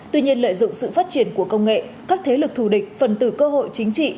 tuy nhiên lợi dụng sự phát triển của công nghệ các thế lực thù địch phần tử cơ hội chính trị